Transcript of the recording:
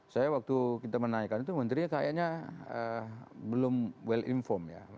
saya waktu kita menanyakan itu menterinya kayaknya belum well informed ya